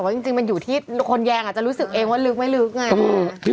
เป็นจึงอยู่ที่คนแยงอาจจะรู้สึกว่าแยงไม่ลึกไง